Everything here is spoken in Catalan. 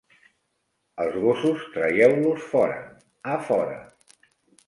Els gossos, traieu-los fora, a fora.